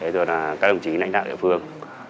các đồng chí nảy đạo địa phương